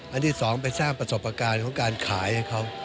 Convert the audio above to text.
ที่สองไปสร้างประสบการณ์ของการขายให้เขา